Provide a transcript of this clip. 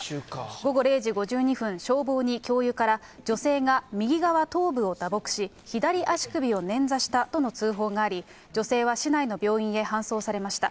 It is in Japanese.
午後０時５２分、消防に教諭から、女性が右側頭部を打撲し、左足首をねん挫したとの通報があり、女性は市内の病院へ搬送されました。